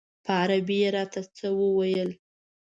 په عربي یې راته څه وویل.